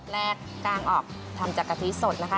แรกกางออกทำจากกะทิสดนะคะ